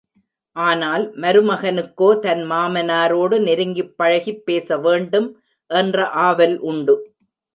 ஆனால், மருமகனுக்கோ தன் மாமனாரோடு நெருங்கிப் பழகிப் பேசவேண்டும் என்ற ஆவல் உண்டு.